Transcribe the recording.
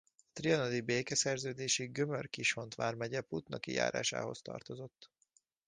A trianoni békeszerződésig Gömör-Kishont vármegye Putnoki járásához tartozott.